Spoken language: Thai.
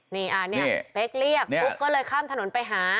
นี่อ่ะเนี่ยเป๊กเรียกฟลุ๊กก็เลยข้ามถนนไปหา